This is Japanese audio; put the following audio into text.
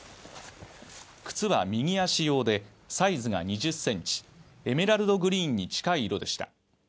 靴は右足用でサイズが２０センチエメラルドグリーンに近い色でした